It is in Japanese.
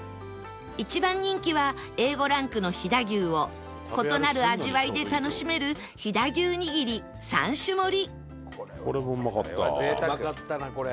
一番人気は Ａ５ ランクの飛騨牛を異なる味わいで楽しめるうまかったなこれ。